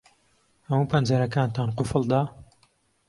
ھەموو پەنجەرەکانتان قوفڵ دا؟